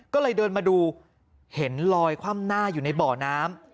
ก็เลยเดินมาดูเห็นลอยคว่ำหน้าอยู่ในบ่อน้ำ